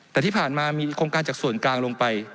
แต่ที่ผ่านมามีโครงการจากส่วนกลางลงไป